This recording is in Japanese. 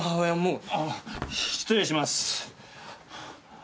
ああ失礼します。